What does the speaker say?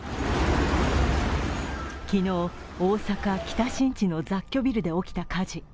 昨日、大阪・北新地の雑居ビルで起きた火事。